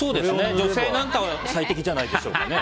女性なんかは最適じゃないですかね。